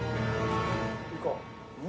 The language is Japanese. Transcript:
行こう。